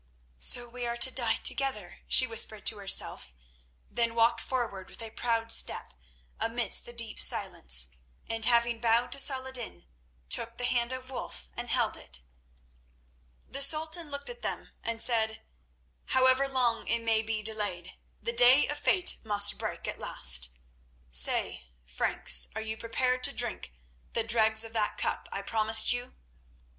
"So we are to die together," she whispered to herself, then walked forward with a proud step amidst the deep silence, and, having bowed to Saladin, took the hand of Wulf and held it. The Sultan looked at them and said: "However long it may be delayed, the day of fate must break at last. Say, Franks, are you prepared to drink the dregs of that cup I promised you?"